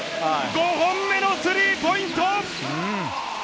５本目のスリーポイント！